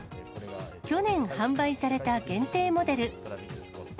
去年販売された限定モデル。